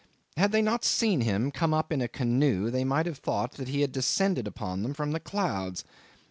Had they not seen him come up in a canoe they might have thought he had descended upon them from the clouds.